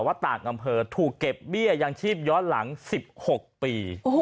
ว่าต่างอำเภอถูกเก็บเบี้ยยังชีพย้อนหลัง๑๖ปี